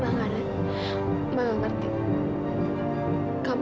yang ada maka malah terjadi komplikasi